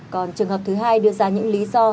còn trường hợp thứ hai đưa ra những lý do